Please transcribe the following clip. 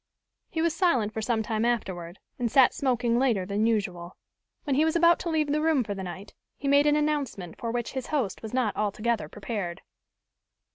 He was silent for some time afterward, and sat smoking later than usual. When he was about to leave the room for the night, he made an announcement for which his host was not altogether prepared.